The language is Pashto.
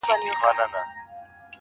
د کلي حوري په ټول کلي کي لمبې جوړي کړې.